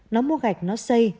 nó mua gạch nó xây